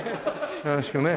よろしくね。